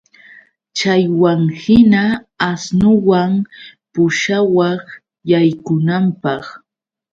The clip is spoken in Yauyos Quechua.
Chaywanhina asnuwan pushawaq yaykunanpaq